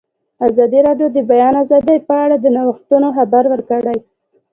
ازادي راډیو د د بیان آزادي په اړه د نوښتونو خبر ورکړی.